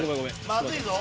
まずいぞ！